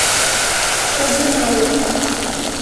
— Огына лук.